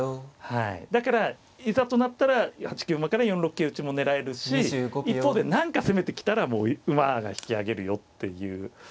だからいざとなったら８九馬から４六桂打も狙えるし一方で何か攻めてきたらもう馬が引き揚げるよっていう。